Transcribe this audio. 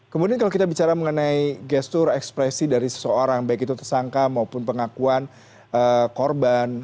kemudian kalau kita bicara mengenai gestur ekspresi dari seseorang baik itu tersangka maupun pengakuan korban